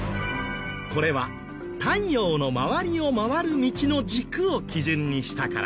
これは太陽の周りを回る道の軸を基準にしたから。